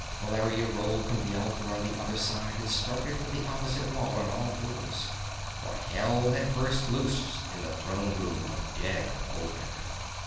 Valeria rolled from the altar on the other side, and started for the opposite wall on all fours. For hell had burst loose in the throne room of dead Olmec.